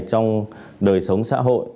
trong đời sống xã hội